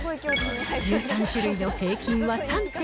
１３種類の平均は３．８。